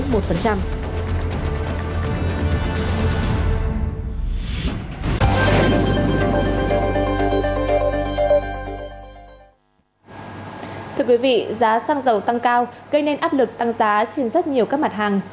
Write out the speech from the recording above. thưa quý vị giá xăng dầu tăng cao gây nên áp lực tăng giá trên rất nhiều các mặt hàng